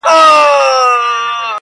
د ژوندیو په کورونو کي به غم وي!